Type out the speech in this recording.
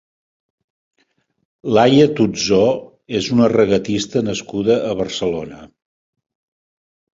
Laia Tutzó és una regatista nascuda a Barcelona.